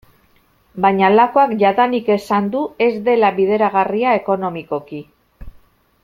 Baina Lakuak jadanik esan du ez dela bideragarria ekonomikoki.